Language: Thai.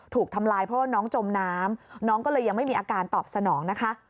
ถูกทำลายเพราะว่าน้องจมน้ำน้องก็เลยยังไม่มีอาการตอบสนองนะคะ